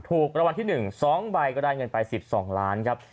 ถูกรางวัลที่๑๒ใบก็ได้เงินไป๑๒ล้านครับ